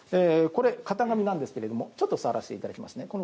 これ、型紙なんですけどもちょっと触らせていただきますね。